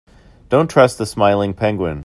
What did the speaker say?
Don't trust the smiling penguin.